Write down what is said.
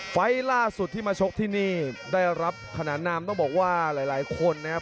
ไฟล์ล่าสุดที่มาชกที่นี่ได้รับขนานนามต้องบอกว่าหลายคนนะครับ